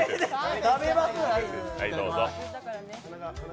食べますよ！